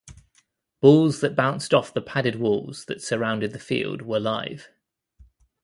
Balls that bounced off the padded walls that surrounded the field were live.